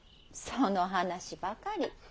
その話ばかり。